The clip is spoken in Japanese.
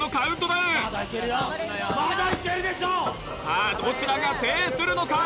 さあどちらが制するのか？